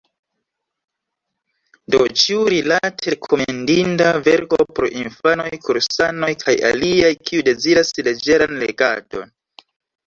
Do ĉiurilate rekomendinda verko por infanoj, kursanoj, kaj aliaj, kiuj deziras leĝeran legadon.